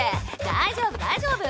大丈夫大丈夫。